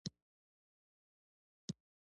وګړي د افغانستان د بشري فرهنګ یوه ډېره مهمه برخه ده.